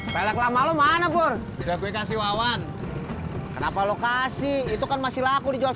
pelet lama lu mana pur udah gue kasih wawan kenapa lo kasih itu kan masih laku dijual seratus